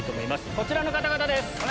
こちらの方々です！